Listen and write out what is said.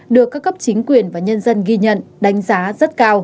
được các cấp chính quyền và nhân dân ghi nhận đánh giá rất cao